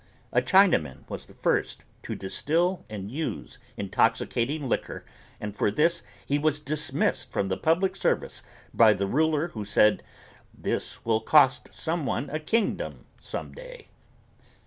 A Chinaman was the first to distill and use intoxicating liquor and for this he was dismissed from the public service by the ruler who said, "This will cost someone a kingdom some day."